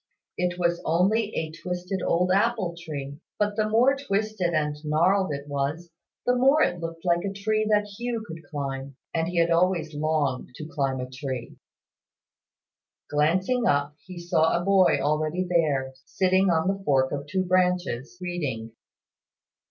It was only a twisted old apple tree; but the more twisted and gnarled it was, the more it looked like a tree that Hugh could climb; and he had always longed to climb a tree. Glancing up, he saw a boy already there, sitting on the fork of two branches, reading.